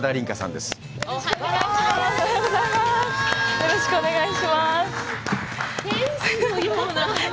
よろしくお願いします。